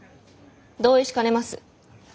同意しかねます。